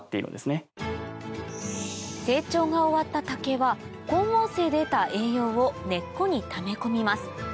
成長が終わった竹は光合成で得た栄養を根っこにため込みます